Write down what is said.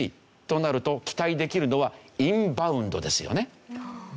となると期待できるのはインバウンドですよね。